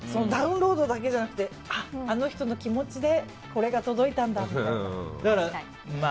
ダウンロードだけじゃなくてあの人の気持ちでこれが届いたんだって。